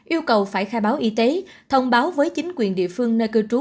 yêu cầu phải khai báo y tế thông báo với chính quyền địa phương nơi cư trú